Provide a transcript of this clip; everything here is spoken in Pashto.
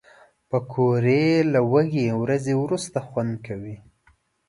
پکورې له وږې ورځې وروسته خوند کوي